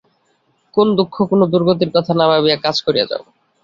কোন দুঃখ, কোন দুর্গতির কথা না ভাবিয়া কাজ করিয়া যাও।